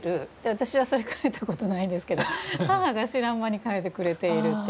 私はそれ替えたことないんですけど母が知らん間に替えてくれているっていう。